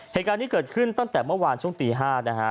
เหตุการณ์นี้เกิดขึ้นตั้งแต่เมื่อวานช่วงตี๕นะฮะ